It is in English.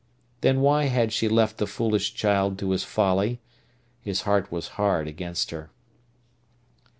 Then why had she left the foolish child to his folly? His heart was hard against her.